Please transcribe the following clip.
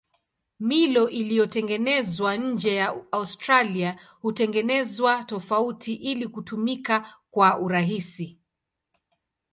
Milo iliyotengenezwa nje ya Australia hutengenezwa tofauti ili kutumika kwa urahisi.